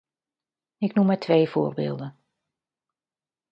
Ik noem maar twee voorbeelden.